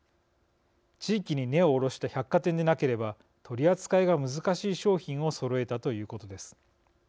地域に根を下ろした百貨店でなければ取り扱いが難しい商品をそろえたということです。